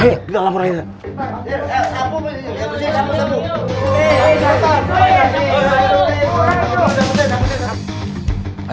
ayo kita lapor air terima aja